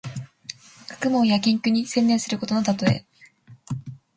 学問や研究に専念することのたとえ。